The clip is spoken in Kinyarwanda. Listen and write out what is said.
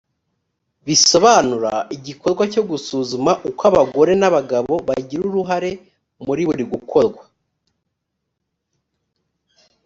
bisobanura igikorwa cyo gusuzuma uko abagore n abagabo bagira uruhare muri buri gukorwa